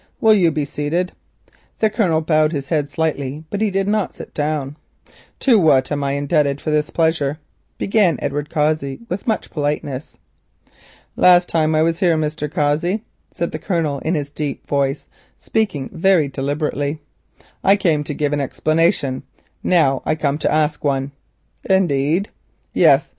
"Will you be seated?" The Colonel bowed his head slightly, but he did not sit down. "To what am I indebted for the pleasure?" began Edward Cossey with much politeness. "Last time I was here, Mr. Cossey," said the Colonel in his deep voice, speaking very deliberately, "I came to give an explanation; now I come to ask one." "Indeed!" "Yes.